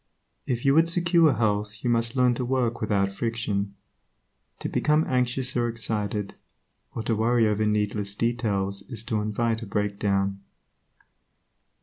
If you would secure health you must learn to work without friction. To become anxious or excited, or to worry over needless details is to invite a breakdown.